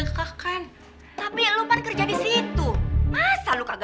ber ambassadors siap tiba tahun biasa